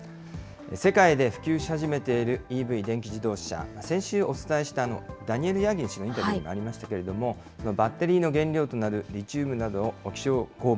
世界で普及し始めているＥＶ・電気自動車、先週、お伝えしたダニエル・ヤーギン氏のインタビューにもありましたけれども、バッテリーの原料となるリチウムなどの希少鉱物、